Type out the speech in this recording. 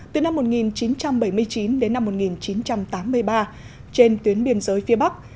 từ năm một nghìn chín trăm bảy mươi chín đến năm một nghìn chín trăm tám mươi ba trên tuyến biên giới phía bắc